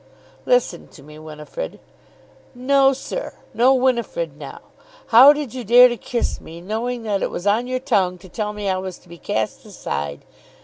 "Listen to me, Winifrid." "No, sir; no Winifrid now! How did you dare to kiss me, knowing that it was on your tongue to tell me I was to be cast aside?